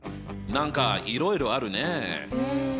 何かいろいろあるね！